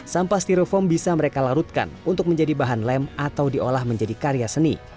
sampah stereofoam bisa mereka larutkan untuk menjadi bahan lem atau diolah menjadi karya seni